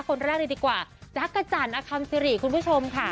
ตอนแรกนี้ดีกว่านักกระจ่านอคัมซิริคุณผู้ชมค่ะ